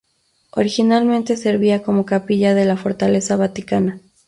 Originalmente servía como capilla de la fortaleza vaticana.